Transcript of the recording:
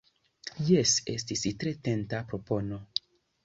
Ja estis tre tenta propono!